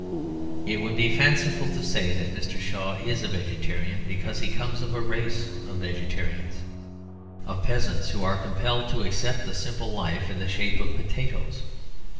It would be fanciful to say that Mr. Shaw is a vegetarian because he comes of a race of vegetarians, of peasants who are compelled to accept the simple life in the shape of potatoes.